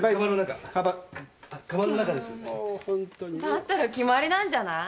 だったら決まりなんじゃない。